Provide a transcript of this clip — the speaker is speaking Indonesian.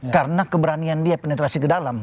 karena keberanian dia penetrasi ke dalam